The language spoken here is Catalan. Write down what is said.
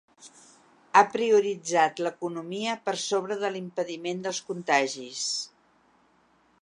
Ha prioritzat l’economia per sobre de l’impediment dels contagis.